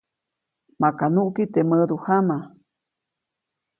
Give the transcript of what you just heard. Maka nuʼki teʼ mädujama.